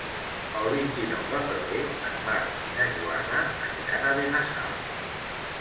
El vint-i-nou de febrer en Marc i na Joana aniran a Benasau.